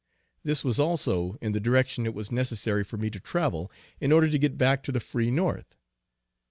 This was also in the direction it was necessary for me to travel in order to get back to the free North.